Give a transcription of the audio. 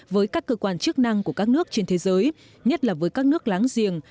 với các cơ quan chức năng của các nước trên thế giới nhất là với các nước láng giềng